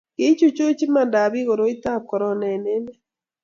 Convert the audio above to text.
kiichuchuch imandab biik koroitab korona eng' emet